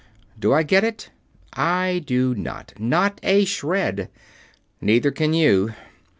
Do I get it? I do not. Not a shred. Neither can you.